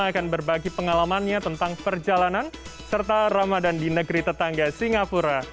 akan berbagi pengalamannya tentang perjalanan serta ramadan di negeri tetangga singapura